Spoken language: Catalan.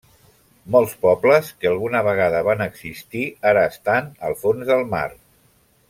Molts pobles que alguna vegada van existir, ara estan al fons del mar.